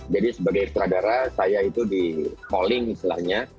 jadi sebagai sutradara saya itu di calling istilahnya